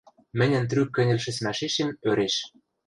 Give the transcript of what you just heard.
мӹньӹн трӱк кӹньӹл шӹцмӓшешем ӧреш.